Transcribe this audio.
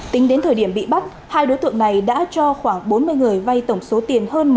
tính đến thời điểm bị bắt hai đối tượng này đã cho khoảng bốn mươi người vay tổng số tiền hơn